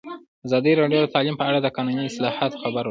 ازادي راډیو د تعلیم په اړه د قانوني اصلاحاتو خبر ورکړی.